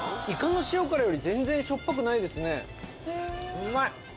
うまい！